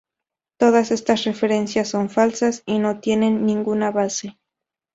Todas estas referencias son falsas y no tienen ninguna base.